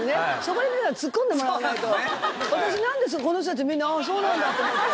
私なんでこの人たちみんな「ああそうなんだ」と思って。